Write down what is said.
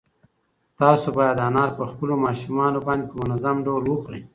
تاسو باید انار په خپلو ماشومانو باندې په منظم ډول وخورئ.